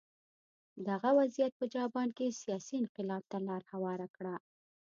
دغه وضعیت په جاپان کې سیاسي انقلاب ته لار هواره کړه.